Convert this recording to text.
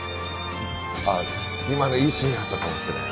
あっ今のいいシーンやったかもしれん。